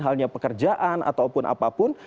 halnya pekerjaan ataupun apapun